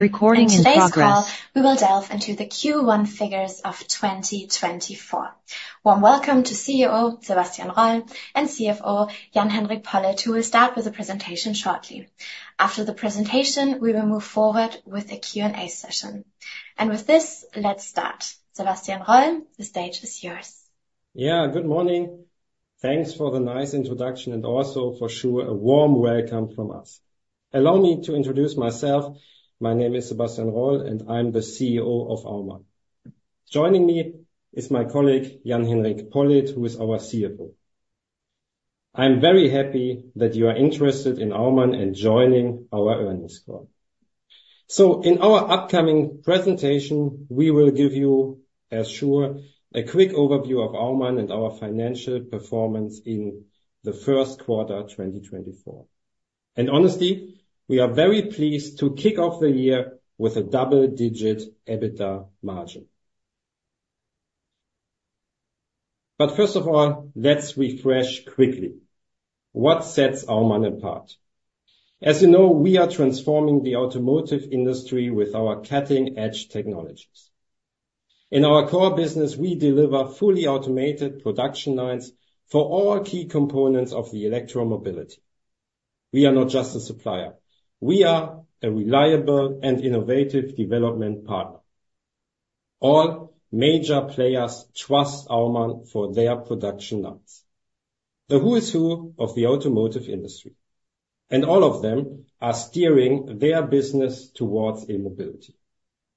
Recording in progress. In today's call, we will delve into the Q1 figures of 2024. Warm welcome to CEO, Sebastian Roll, and CFO, Jan-Henrik Pollitt, who will start with a presentation shortly. After the presentation, we will move forward with a Q&A session. With this, let's start. Sebastian Roll, the stage is yours. Yeah, good morning. Thanks for the nice introduction, and also, for sure, a warm welcome from us. Allow me to introduce myself. My name is Sebastian Roll, and I'm the CEO of Aumann. Joining me is my colleague, Jan-Henrik Pollitt, who is our CFO. I'm very happy that you are interested in Aumann and joining our earnings call. So in our upcoming presentation, we will give you, as sure, a quick overview of Aumann and our financial performance in the first quarter, 2024. And honestly, we are very pleased to kick off the year with a double-digit EBITDA margin. But first of all, let's refresh quickly. What sets Aumann apart? As you know, we are transforming the automotive industry with our cutting-edge technologies. In our core business, we deliver fully automated production lines for all key components of the electromobility. We are not just a supplier, we are a reliable and innovative development partner. All major players trust Aumann for their production lines, the who's who of the automotive industry, and all of them are steering their business towards E-mobility.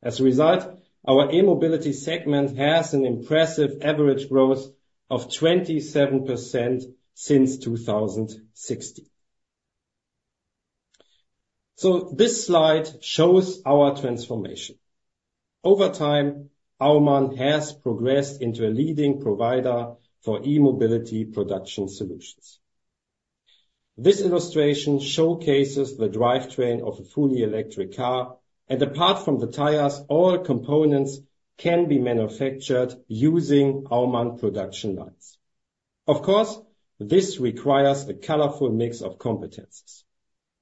As a result, our E-mobility segment has an impressive average growth of 27% since 2016. So this slide shows our transformation. Over time, Aumann has progressed into a leading provider for e-mobility production solutions. This illustration showcases the drivetrain of a fully electric car, and apart from the tires, all components can be manufactured using Aumann production lines. Of course, this requires a colorful mix of competencies.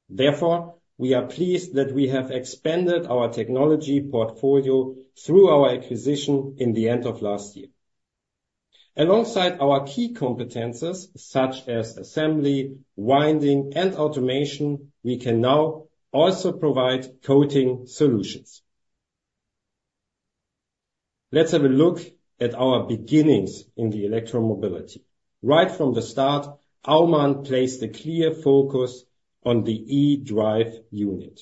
Therefore, we are pleased that we have expanded our technology portfolio through our acquisition in the end of last year. Alongside our key competencies, such as assembly, winding, and automation, we can now also provide coating solutions. Let's have a look at our beginnings in the electromobility. Right from the start, Aumann placed a clear focus on the E-drive unit.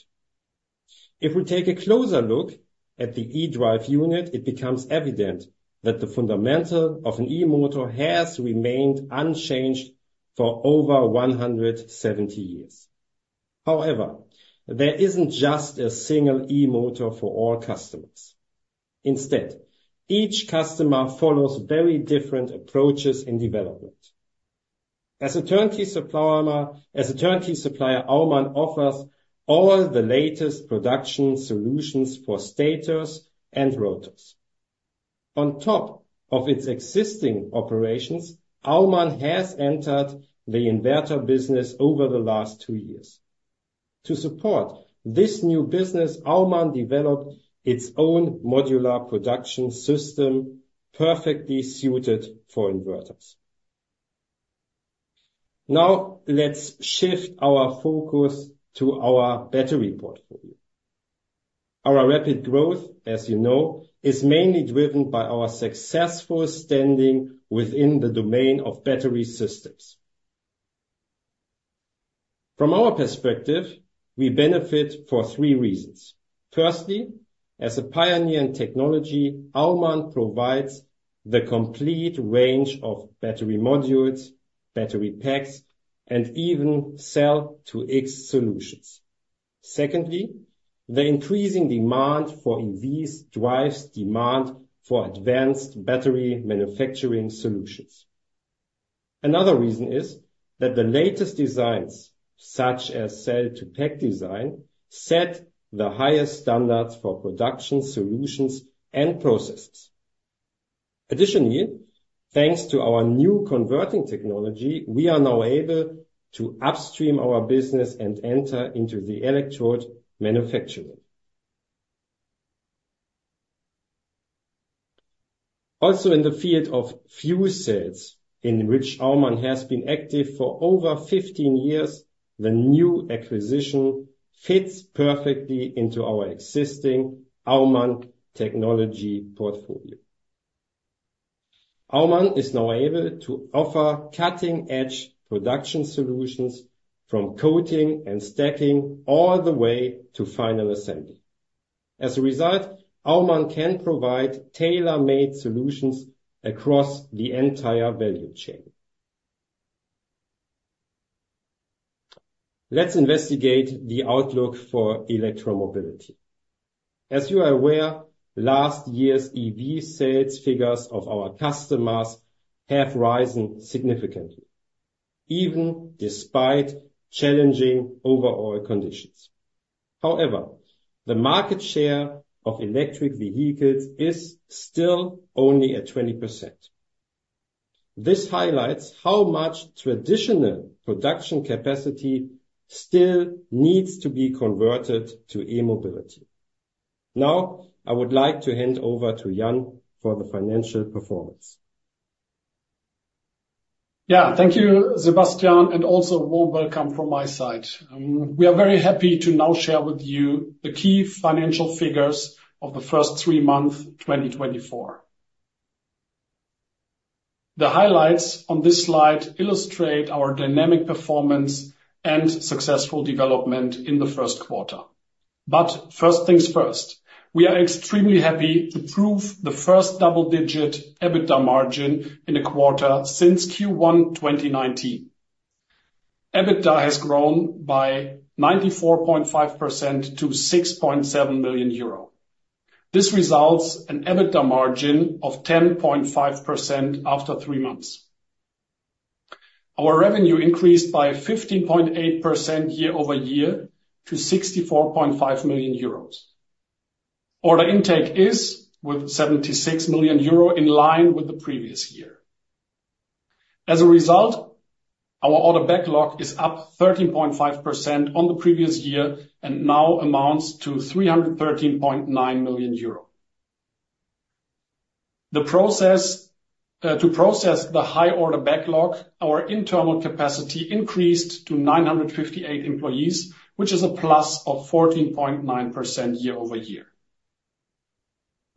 If we take a closer look at the E-drive unit, it becomes evident that the fundamental of an E-motor has remained unchanged for over 170 years. However, there isn't just a single E-motor for all customers. Instead, each customer follows very different approaches in development. As a turnkey supplier, as a turnkey supplier, Aumann offers all the latest production solutions for stators and rotors. On top of its existing operations, Aumann has entered the inverter business over the last 2 years. To support this new business, Aumann developed its own modular production system, perfectly suited for inverters. Now, let's shift our focus to our battery portfolio. Our rapid growth, as you know, is mainly driven by our successful standing within the domain of battery systems. From our perspective, we benefit for three reasons. Firstly, as a pioneer in technology, Aumann provides the complete range of battery modules, battery packs, and even cell-to-X solutions. Secondly, the increasing demand for EVs drives demand for advanced battery manufacturing solutions. Another reason is that the latest designs, such as cell-to-pack design, set the highest standards for production solutions and processes. Additionally, thanks to our new converting technology, we are now able to upstream our business and enter into the electrode manufacturing. Also, in the field of fuel cells, in which Aumann has been active for over 15 years, the new acquisition fits perfectly into our existing Aumann technology portfolio. Aumann is now able to offer cutting-edge production solutions, from coating and stacking, all the way to final assembly. As a result, Aumann can provide tailor-made solutions across the entire value chain. Let's investigate the outlook for electromobility. As you are aware, last year's EV sales figures of our customers have risen significantly, even despite challenging overall conditions. However, the market share of electric vehicles is still only at 20%. This highlights how much traditional production capacity still needs to be converted to e-mobility. Now, I would like to hand over to Jan for the financial performance. Yeah, thank you, Sebastian, and also a warm welcome from my side. We are very happy to now share with you the key financial figures of the first three months, 2024. The highlights on this slide illustrate our dynamic performance and successful development in the first quarter. But first things first, we are extremely happy to prove the first double-digit EBITDA margin in a quarter since Q1 2019. EBITDA has grown by 94.5% to 6.7 million euro. This results in an EBITDA margin of 10.5% after three months. Our revenue increased by 15.8% year-over-year to 64.5 million euros. Order intake is, with 76 million euro, in line with the previous year. As a result, our order backlog is up 13.5% on the previous year and now amounts to 313.9 million euro. The process to process the high order backlog, our internal capacity increased to 958 employees, which is a plus of 14.9% year-over-year.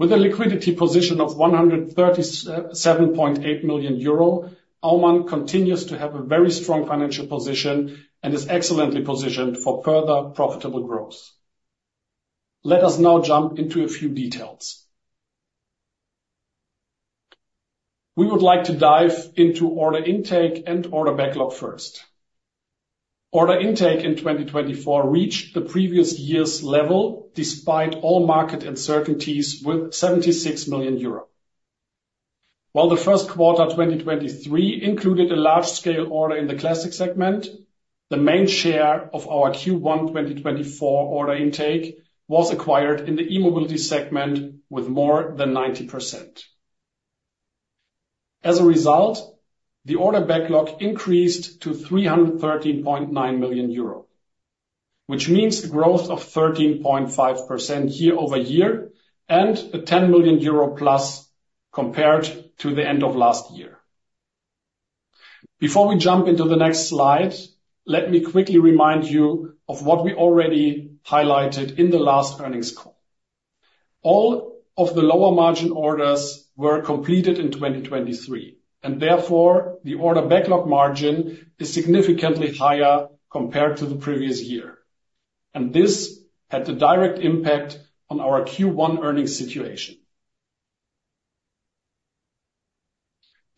With a liquidity position of 137.8 million euro, Aumann continues to have a very strong financial position and is excellently positioned for further profitable growth. Let us now jump into a few details. We would like to dive into order intake and order backlog first. Order intake in 2024 reached the previous year's level, despite all market uncertainties, with 76 million euro. While the first quarter, 2023, included a large-scale order in the classic segment, the main share of our Q1 2024 order intake was acquired in the e-mobility segment with more than 90%. As a result, the order backlog increased to 313.9 million euro, which means a growth of 13.5% year-over-year, and a 10 million euro plus compared to the end of last year. Before we jump into the next slide, let me quickly remind you of what we already highlighted in the last earnings call. All of the lower margin orders were completed in 2023, and therefore, the order backlog margin is significantly higher compared to the previous year, and this had a direct impact on our Q1 earnings situation.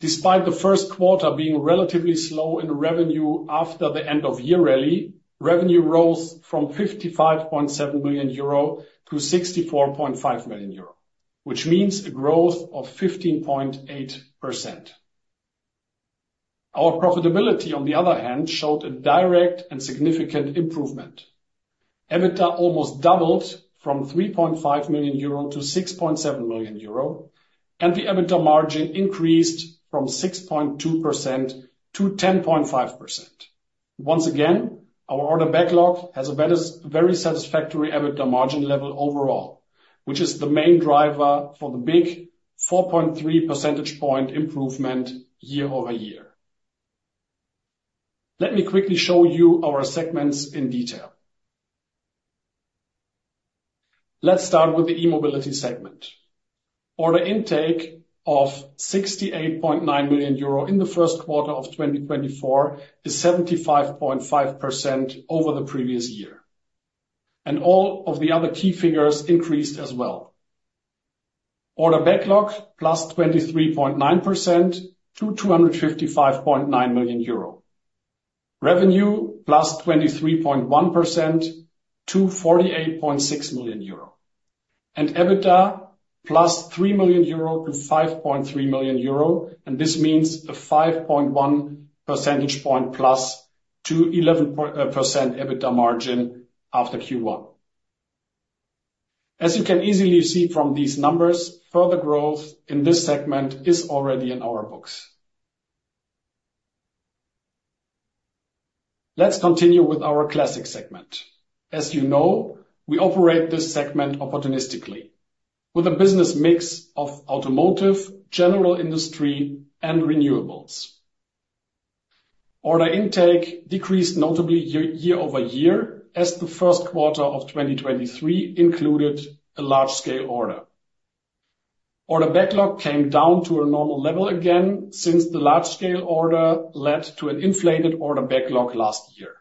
Despite the first quarter being relatively slow in revenue after the end-of-year rally, revenue rose from 55.7 million euro to 64.5 million euro, which means a growth of 15.8%. Our profitability, on the other hand, showed a direct and significant improvement. EBITDA almost doubled from 3.5 million euro to 6.7 million euro, and the EBITDA margin increased from 6.2% to 10.5%. Once again, our order backlog has a very satisfactory EBITDA margin level overall, which is the main driver for the big 4.3 percentage point improvement year-over-year. Let me quickly show you our segments in detail. Let's start with the e-mobility segment. Order intake of 68.9 million euro in the first quarter of 2024 is 75.5% over the previous year, and all of the other key figures increased as well. Order backlog +23.9% to EUR 255.9 million. Revenue +23.1% to 48.6 million euro. EBITDA +3 million euro to 5.3 million euro, and this means a 5.1 percentage point plus to 11% EBITDA margin after Q1. As you can easily see from these numbers, further growth in this segment is already in our books. Let's continue with our classic segment. As you know, we operate this segment opportunistically with a business mix of automotive, general industry, and renewables. Order intake decreased notably year-over-year, as the first quarter of 2023 included a large-scale order. Order backlog came down to a normal level again, since the large-scale order led to an inflated order backlog last year.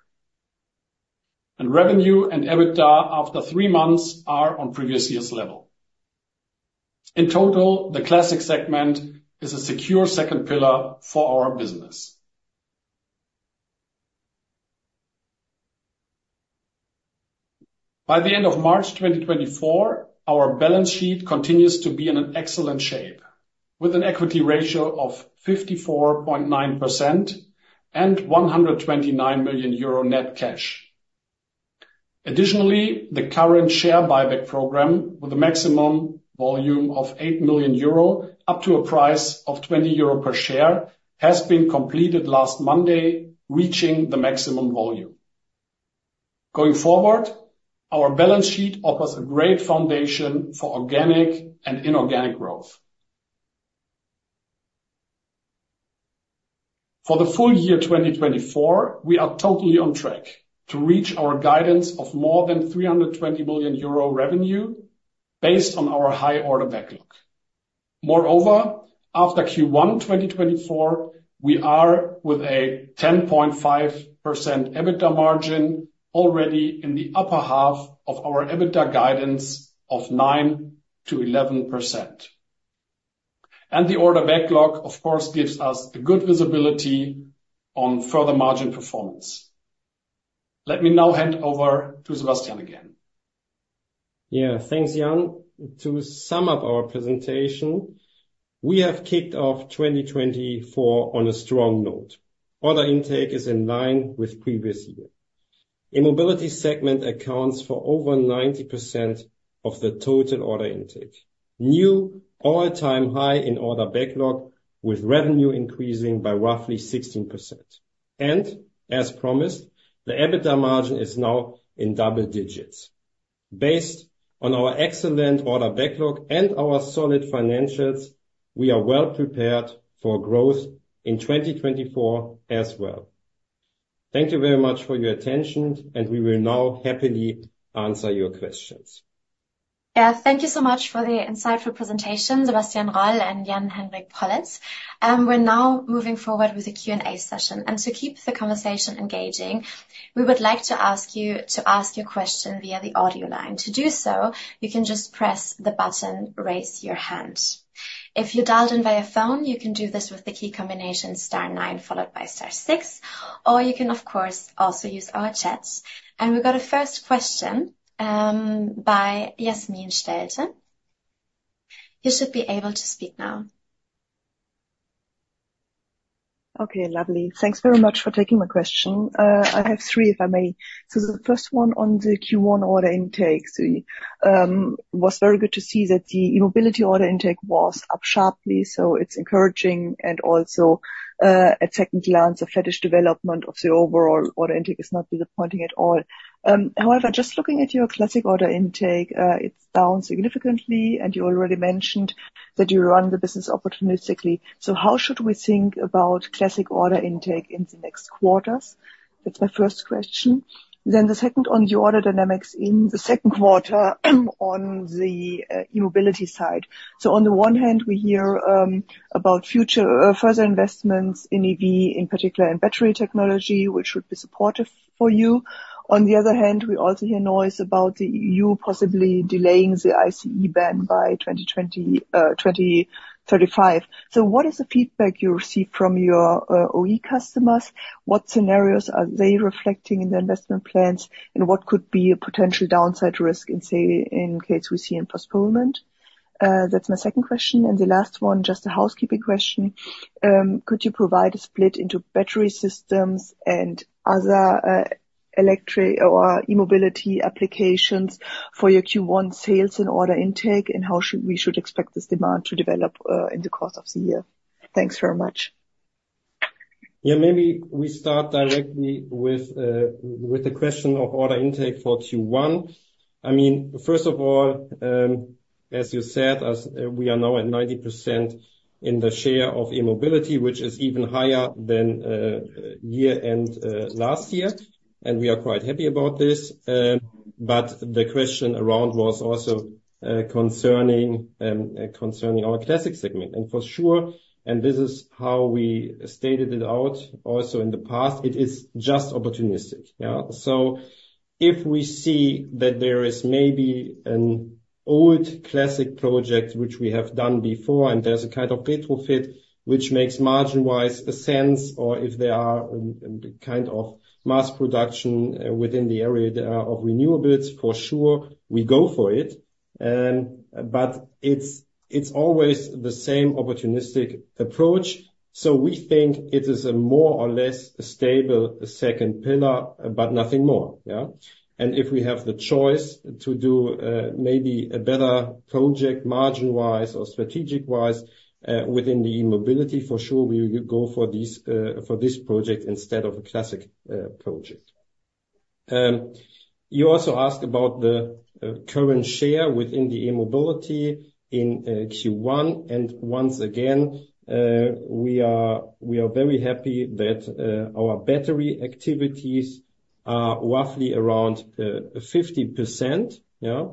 And revenue and EBITDA after three months are on previous year's level. In total, the classic segment is a secure second pillar for our business. By the end of March 2024, our balance sheet continues to be in an excellent shape, with an equity ratio of 54.9% and 129 million euro net cash.... Additionally, the current share buyback program, with a maximum volume of 8 million euro, up to a price of 20 euro per share, has been completed last Monday, reaching the maximum volume. Going forward, our balance sheet offers a great foundation for organic and inorganic growth. For the full year 2024, we are totally on track to reach our guidance of more than 320 million euro revenue, based on our high order backlog. Moreover, after Q1 2024, we are with a 10.5% EBITDA margin, already in the upper half of our EBITDA guidance of 9%-11%. And the order backlog, of course, gives us a good visibility on further margin performance. Let me now hand over to Sebastian again. Yeah, thanks, Jan. To sum up our presentation, we have kicked off 2024 on a strong note. Order intake is in line with previous year. E-mobility segment accounts for over 90% of the total order intake. New all-time high in order backlog, with revenue increasing by roughly 16%. As promised, the EBITDA margin is now in double digits. Based on our excellent order backlog and our solid financials, we are well prepared for growth in 2024 as well. Thank you very much for your attention, and we will now happily answer your questions. Yeah, thank you so much for the insightful presentation, Sebastian Roll and Jan-Henrik Pollitt. We're now moving forward with the Q&A session, and to keep the conversation engaging, we would like to ask you to ask your question via the audio line. To do so, you can just press the button, Raise Your Hand. If you dialed in via phone, you can do this with the key combination star nine, followed by star six, or you can, of course, also use our chat. And we've got a first question by Yasmin Steilen. You should be able to speak now. Okay, lovely. Thanks very much for taking my question. I have three, if I may. So the first one on the Q1 order intake. It was very good to see that the e-mobility order intake was up sharply, so it's encouraging. And also, at second glance, the positive development of the overall order intake is not disappointing at all. However, just looking at your classic order intake, it's down significantly, and you already mentioned that you run the business opportunistically. So how should we think about classic order intake in the next quarters? That's my first question. Then the second on the order dynamics in the second quarter on the e-mobility side. So on the one hand, we hear about future further investments in EV, in particular in battery technology, which would be supportive for you. On the other hand, we also hear noise about the EU possibly delaying the ICE ban by 2035. So what is the feedback you receive from your OE customers? What scenarios are they reflecting in their investment plans, and what could be a potential downside risk in, say, in case we see a postponement? That's my second question. And the last one, just a housekeeping question. Could you provide a split into battery systems and other electric or E-mobility applications for your Q1 sales and order intake, and how should- we should expect this demand to develop in the course of the year? Thanks very much. Yeah, maybe we start directly with the question of order intake for Q1. I mean, first of all, as you said, as we are now at 90% in the share of e-mobility, which is even higher than year-end last year, and we are quite happy about this. But the question around was also concerning our classic segment. And for sure, and this is how we stated it out also in the past, it is just opportunistic. Yeah. So if we see that there is maybe an old classic project which we have done before, and there's a kind of retrofit which makes margin-wise a sense, or if there are kind of mass production within the area of renewables, for sure, we go for it. But it's always the same opportunistic approach. So we think it is a more or less stable second pillar, but nothing more, yeah? And if we have the choice to do maybe a better project, margin-wise or strategic-wise, within the mobility, for sure, we will go for this for this project instead of a classic project. You also asked about the current share within the e-mobility in Q1. And once again, we are very happy that our battery activities are roughly around 50%, yeah.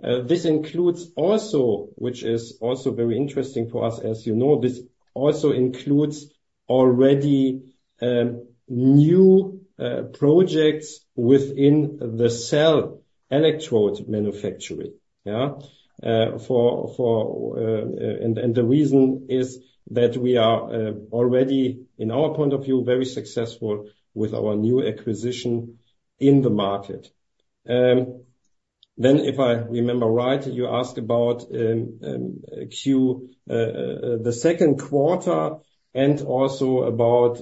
This includes also, which is also very interesting for us, as you know, this also includes already new projects within the cell electrode manufacturing, yeah. The reason is that we are already, in our point of view, very successful with our new acquisition in the market. Then if I remember right, you asked about the second quarter, and also about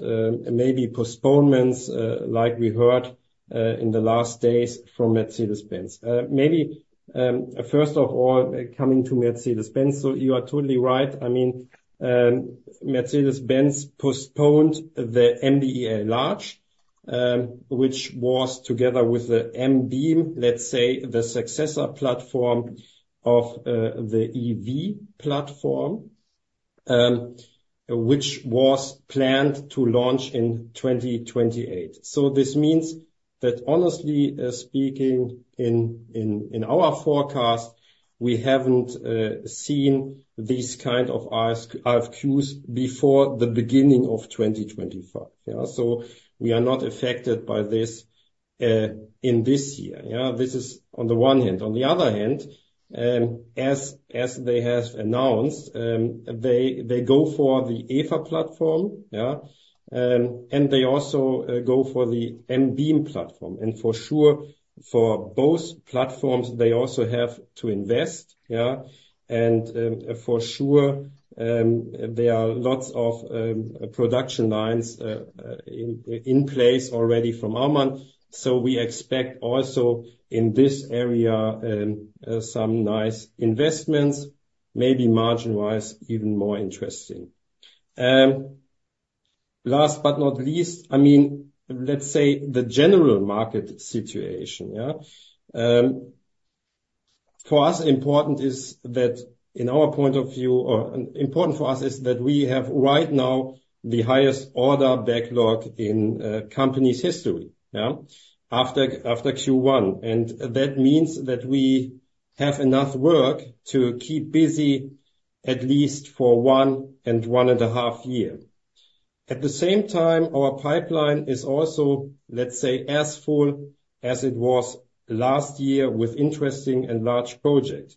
maybe postponements, like we heard in the last days from Mercedes-Benz. Maybe first of all, coming to Mercedes-Benz, so you are totally right. I mean, Mercedes-Benz postponed the MB.EA Large, which was together with the MB.EA, let's say, the successor platform of the EV platform, which was planned to launch in 2028. So this means that honestly speaking, in our forecast, we haven't seen these kind of asked RFQs before the beginning of 2025, yeah? So we are not affected by this in this year, yeah. This is on the one hand. On the other hand, as they have announced, they go for the EVA platform, yeah, and they also go for the MB.EA Medium platform. And for sure, for both platforms, they also have to invest, yeah? And, for sure, there are lots of production lines in place already from Aumann. So we expect also in this area some nice investments, maybe margin-wise, even more interesting. Last but not least, I mean, let's say the general market situation, yeah? For us, important is that in our point of view, or important for us, is that we have right now the highest order backlog in company's history, yeah, after Q1. And that means that we have enough work to keep busy at least for one and a half year. At the same time, our pipeline is also, let's say, as full as it was last year with interesting and large project.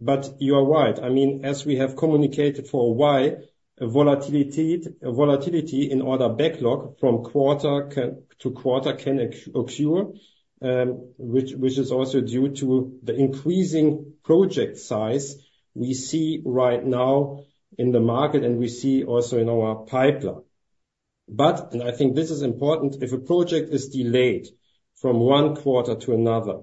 But you are right. I mean, as we have communicated for a while, volatility, volatility in order backlog from quarter to quarter can occur, which is also due to the increasing project size we see right now in the market and we see also in our pipeline. But, and I think this is important, if a project is delayed from one quarter to another,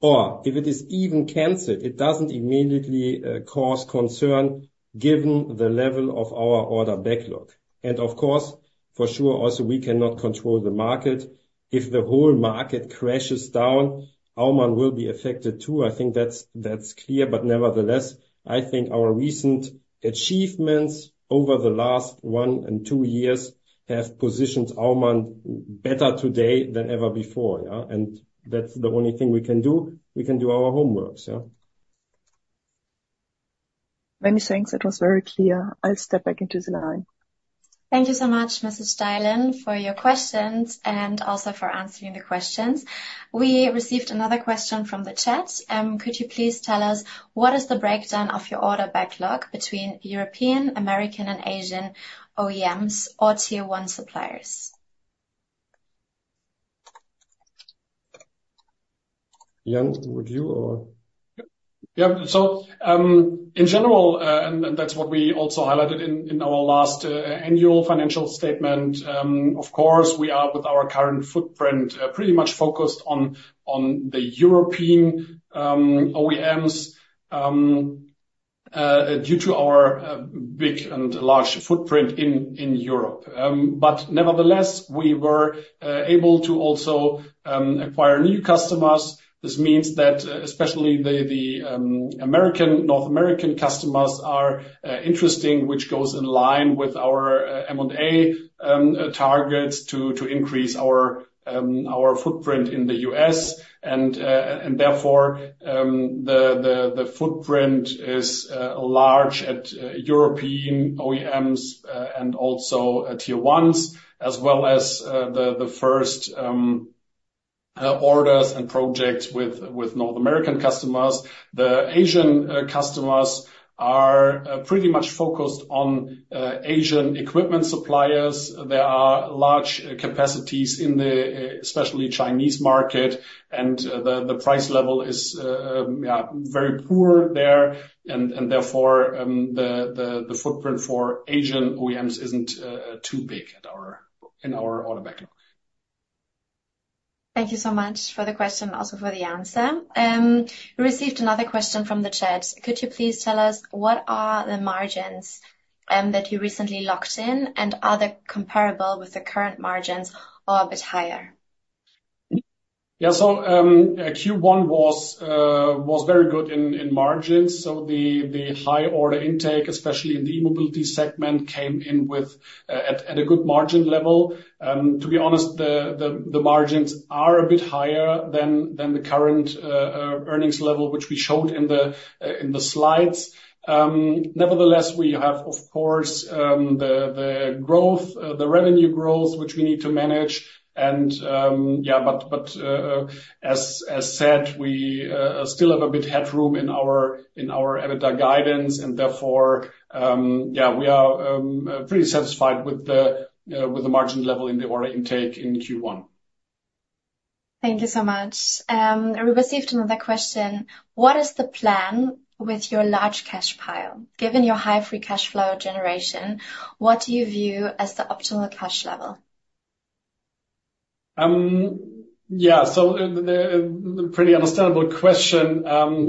or if it is even canceled, it doesn't immediately cause concern given the level of our order backlog. And of course, for sure, also, we cannot control the market. If the whole market crashes down, Aumann will be affected too. I think that's, that's clear, but nevertheless, I think our recent achievements over the last one and two years have positioned Aumann better today than ever before, yeah? And that's the only thing we can do. We can do our homework, so. Many thanks. That was very clear. I'll step back into the line. Thank you so much, Mrs. Steilen, for your questions and also for answering the questions. We received another question from the chat. Could you please tell us what is the breakdown of your order backlog between European, American, and Asian OEMs or Tier One suppliers? Jan, would you or? Yep. So, in general, and that's what we also highlighted in our last annual financial statement, of course, we are with our current footprint pretty much focused on the European OEMs due to our big and large footprint in Europe. But nevertheless, we were able to also acquire new customers. This means that especially the American, North American customers are interesting, which goes in line with our M&A targets to increase our footprint in the US, and therefore, the footprint is large at European OEMs, and also at Tier Ones, as well as the first orders and projects with North American customers. The Asian customers are pretty much focused on Asian equipment suppliers. There are large capacities in the especially Chinese market, and the price level is very poor there, and therefore, the footprint for Asian OEMs isn't too big in our order backlog. Thank you so much for the question, also for the answer. We received another question from the chat. Could you please tell us what are the margins that you recently locked in, and are they comparable with the current margins or a bit higher? Yeah, so, Q1 was very good in margins, so the high order intake, especially in the e-mobility segment, came in with at a good margin level. To be honest, the margins are a bit higher than the current earnings level, which we showed in the slides. Nevertheless, we have, of course, the growth, the revenue growth, which we need to manage, and yeah, but as said, we still have a bit headroom in our EBITDA guidance, and therefore, yeah, we are pretty satisfied with the margin level in the order intake in Q1.... Thank you so much. We received another question: What is the plan with your large cash pile? Given your high free cash flow generation, what do you view as the optimal cash level? Yeah, so the pretty understandable question.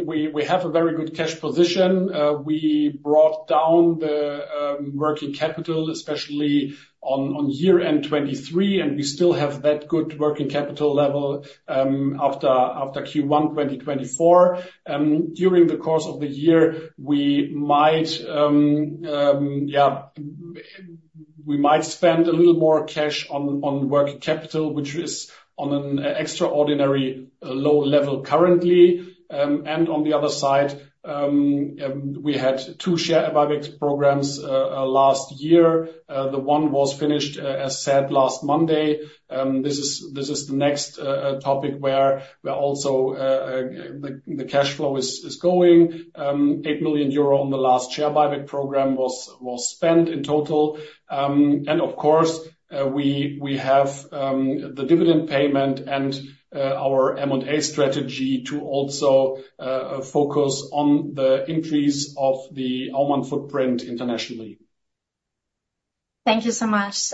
We have a very good cash position. We brought down the working capital, especially on year-end 2023, and we still have that good working capital level after Q1 2024. During the course of the year, yeah, we might spend a little more cash on working capital, which is on an extraordinary low level currently. And on the other side, we had two share buyback programs last year. The one was finished, as said last Monday. This is the next topic where we are also the cash flow is going. 8 million euro on the last share buyback program was spent in total. And of course, we have the dividend payment and our M&A strategy to also focus on the increase of the Aumann footprint internationally. Thank you so much.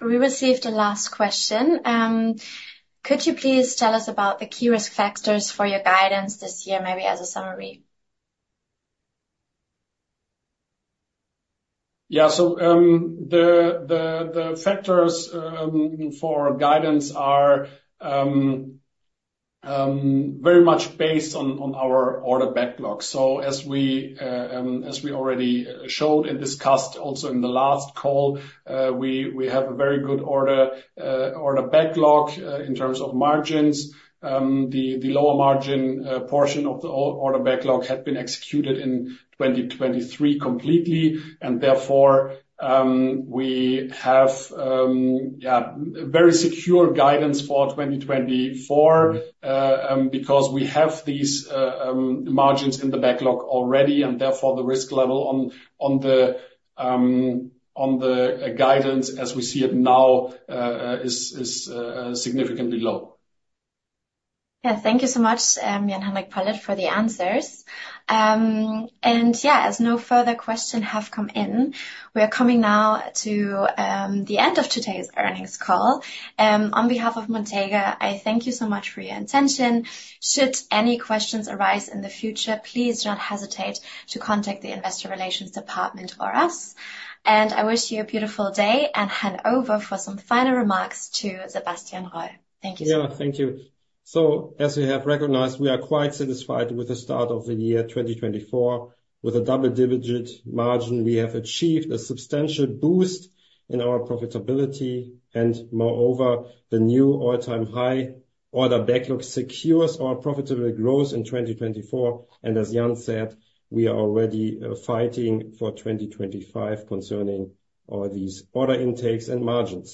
We received a last question. Could you please tell us about the key risk factors for your guidance this year, maybe as a summary? Yeah. So, the factors for guidance are very much based on our order backlog. So as we already showed and discussed also in the last call, we have a very good order backlog in terms of margins. The lower margin portion of the order backlog had been executed in 2023 completely, and therefore, we have yeah, very secure guidance for 2024, because we have these margins in the backlog already, and therefore, the risk level on the guidance as we see it now is significantly low. Yeah. Thank you so much, Jan-Henrik Pollitt, for the answers. And yeah, as no further questions have come in, we are coming now to the end of today's earnings call. On behalf of Montega, I thank you so much for your attention. Should any questions arise in the future, please do not hesitate to contact the investor relations department or us. And I wish you a beautiful day, and hand over for some final remarks to Sebastian Roll. Thank you so much. Yeah, thank you. So, as you have recognized, we are quite satisfied with the start of the year 2024. With a double-digit margin, we have achieved a substantial boost in our profitability, and moreover, the new all-time high order backlog secures our profitable growth in 2024. As Jan said, we are already fighting for 2025 concerning these order intakes and margins.